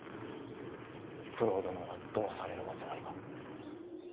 九郎殿はどうされるおつもりか。